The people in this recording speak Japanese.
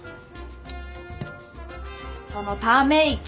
そのため息。